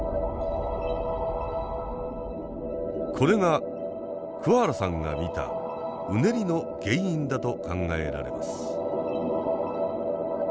これが桑原さんが見たうねりの原因だと考えられます。